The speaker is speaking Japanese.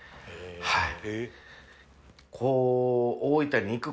はい